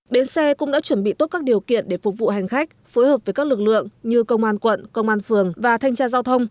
bến xe cũng đã chuẩn bị tốt các điều kiện để phục vụ hành khách phối hợp với các lực lượng như công an quận công an phường và thanh tra giao thông